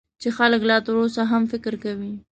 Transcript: چې خلک لا تر اوسه هم فکر کوي .